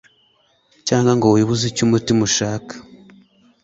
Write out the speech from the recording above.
cyangwa ngo wibuze icyo umutima ushaka